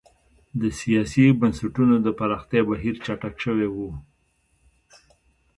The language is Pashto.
د سیاسي بنسټونو د پراختیا بهیر چټک شوی و.